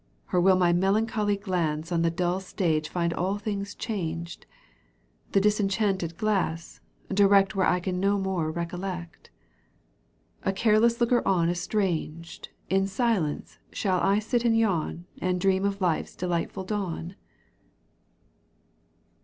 Or will my melancholy glance On the dull stage find aU things changed, The disenchanted glass direct Where I can no more recollect ?— A careless looker on estranged In silence shall I sit and yawn And dream of life's delightful dawn